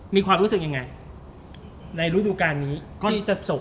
มีความรู้สึกยังไงในฤดูการนี้ที่จะจบ